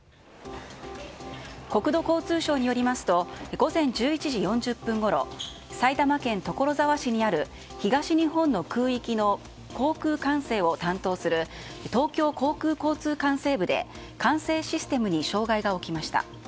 国土交通省によりますと午前１１時４０分ごろ埼玉県所沢市にある東日本の空域の航空管制を担当する東京航空交通管制部で管制システムに障害が起きました。